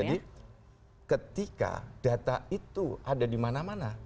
jadi ketika data itu ada di mana mana